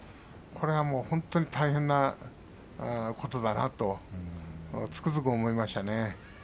これはもう本当に大変なことだなとつくづく思いましたね。